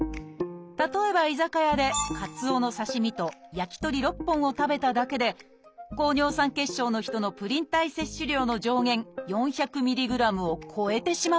例えば居酒屋でかつおの刺身と焼き鳥６本を食べただけで高尿酸血症の人のプリン体摂取量の上限４００ｍｇを超えてしまうんです。